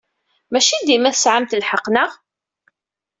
Maci dima tesɛamt lḥeqq, naɣ?